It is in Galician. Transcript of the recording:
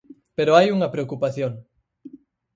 Pero hai unha preocupación.